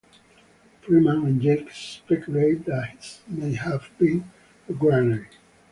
Freeman and Jacques speculate that this may have been a granary.